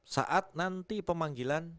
saat nanti pemanggilan